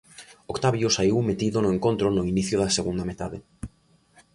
Octavio saíu metido no encontro no inicio da segunda metade.